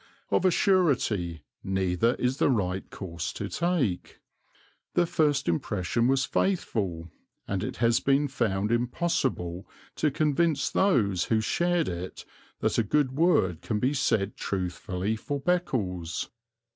Of a surety neither is the right course to take. The first impression was faithful, and it has been found impossible to convince those who shared it that a good word can be said truthfully for Beccles.